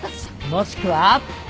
もしくは僕！